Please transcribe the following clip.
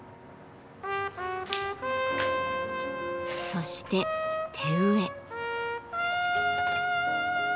そして手植え。